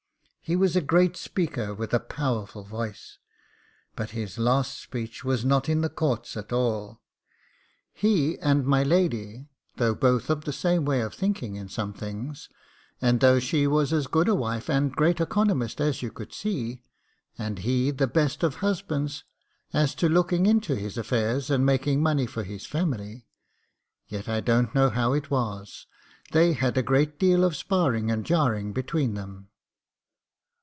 He was a great speaker with a powerful voice; but his last speech was not in the courts at all. He and my lady, though both of the same way of thinking in some things, and though she was as good a wife and great economist as you could see, and he the best of husbands, as to looking into his affairs, and making money for his family; yet I don't know how it was, they had a great deal of sparring and jarring between them.